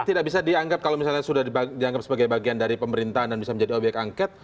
tidak bisa dianggap kalau misalnya sudah dianggap sebagai bagian dari pemerintahan dan bisa menjadi obyek angket